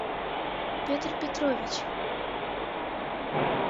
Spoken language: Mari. Пӧтыр Петрович...